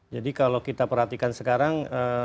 jadi kalau kita perhatikan sekarang